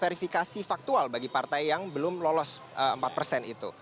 verifikasi faktual bagi partai yang belum lolos empat persen itu